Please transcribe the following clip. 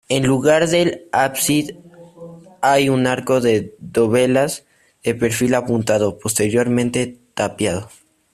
En lugar del ábside hay un arco de dovelas de perfil apuntado, posteriormente tapiado.